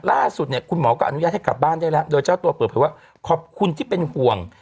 ล่าสุดเนี่ยคุณหมอก็อนุญาตให้กลับบ้านได้แล้วโดยเจ้าตัวเปิดเผยว่าขอบคุณที่เป็นห่วง